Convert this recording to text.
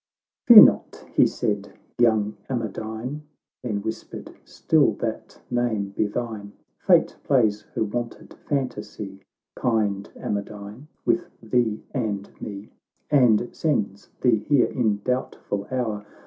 XVII "Fear not," he said, " young Amadine \" Then whispered, " Still that name be thine. Fate plays her wonted fantasy, Kind Amadine, with thee and me, And sends thee here in doubtful hour.